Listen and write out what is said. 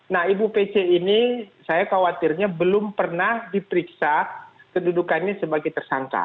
nah ibu pc ini saya khawatirnya belum pernah diperiksa kedudukannya sebagai tersangka